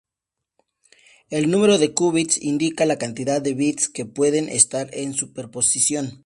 El número de cúbits indica la cantidad de bits que pueden estar en superposición.